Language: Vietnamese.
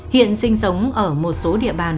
hiện sinh sống ở một số địa bàn